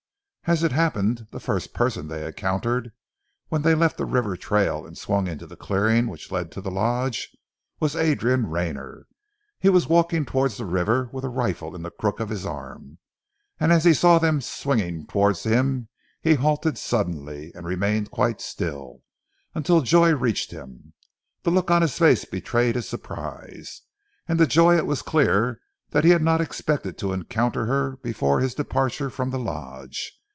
As it happened, the first person they encountered when they left the river trail and swung into the clearing which led to the Lodge, was Adrian Rayner. He was walking towards the river, with a rifle in the crook of his arm, and as he saw them swinging towards him, he halted suddenly, and remained quite still, until Joy reached him. The look on his face betrayed his surprise, and to Joy it was clear that he had not expected to encounter her before his departure from the lodge.